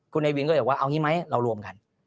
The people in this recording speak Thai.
คุณเอวินก็อยากว่าเอาอย่างนี้ไหมเรารวมกัน